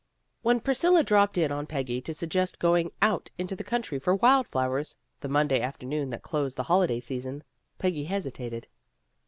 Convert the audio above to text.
When Priscilla dropped in on Peggy to suggest going out into the country for wild flowers, the Monday afternoon that closed the holiday season, Peggy hesitated.